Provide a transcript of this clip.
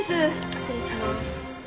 失礼します。